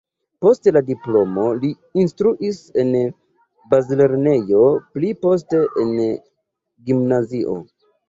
Post la diplomo li instruis en bazlernejo, pli poste en gimnazio.